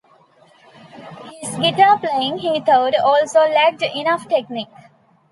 His guitar playing, he thought, also lacked enough technique.